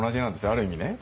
ある意味ね。